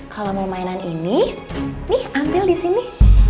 kalau mau mainan ini nih ambil di sini